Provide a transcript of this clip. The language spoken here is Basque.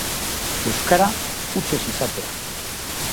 Euskara hutsez izatea.